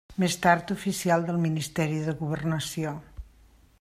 Més tard oficial del Ministeri de Governació.